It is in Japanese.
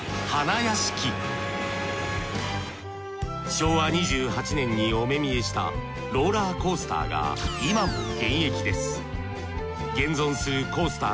昭和２８年にお目見えしたローラーコースターが今も現役です